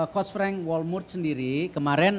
coach frank walmuth sendiri kemarin